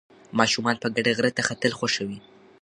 ماشومان په ګډه غره ته ختل خوښوي.